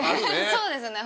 そうですね